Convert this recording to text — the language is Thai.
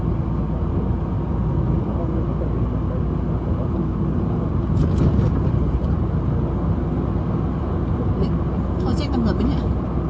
เฮ้ยเค้าเช็คตำรวจมั้ยเนี้ย